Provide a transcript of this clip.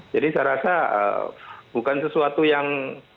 jadi saya rasa bukan sesuatu yang